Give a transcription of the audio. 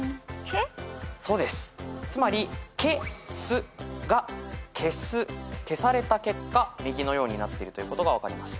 つまり「ケ」「ス」が消す消された結果右のようになっているということが分かります。